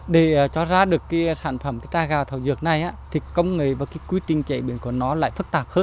để cho ra được sản phẩm trà gà thảo dược này thì công nghệ và quy trình chế biến của nó lại phức tạp hơn